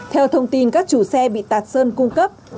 theo thông tin các chủ xe bị tạt sơn cung cấp